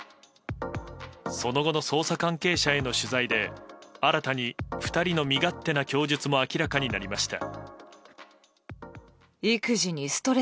その後の捜査関係者への取材で新たに２人の身勝手な供述も明らかになりました。